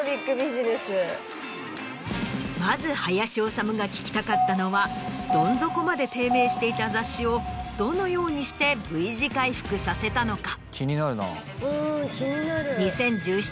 まず林修が聞きたかったのはどん底まで低迷していた雑誌をどのようにしてＶ字回復させたのか？